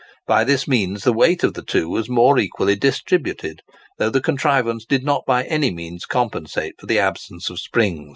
By this means the weight of the two was more equally distributed, though the contrivance did not by any means compensate for the absence of springs.